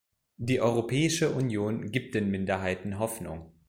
Die Europäische Union gibt den Minderheiten Hoffnung.